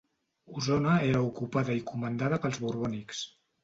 Osona era ocupada i comandada pels borbònics.